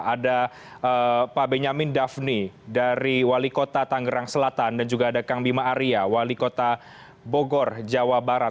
ada pak benyamin daphne dari wali kota tangerang selatan dan juga ada kang bima arya wali kota bogor jawa barat